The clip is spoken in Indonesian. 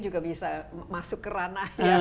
juga bisa masuk ke ranah yang